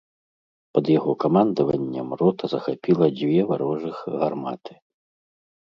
Пад яго камандаваннем рота захапіла дзве варожых гарматы.